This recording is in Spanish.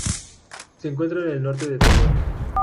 Se encuentra al norte de Taiwán.